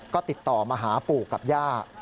ก็ติดต่อมาหาปู่กับย่า